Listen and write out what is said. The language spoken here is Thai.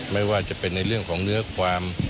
ไม่ว่าจะเป็นในเรื่องของเนื้อความ